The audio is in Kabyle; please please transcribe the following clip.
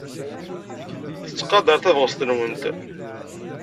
Tettqadar tabɣest-nwent.